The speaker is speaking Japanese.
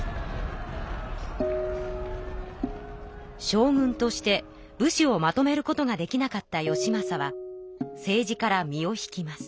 将軍として武士をまとめることができなかった義政は政治から身を引きます。